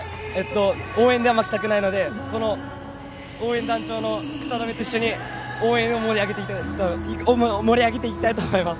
応援では負けたくないのでこの応援団長と一緒に応援を盛り上げていきたいと思います。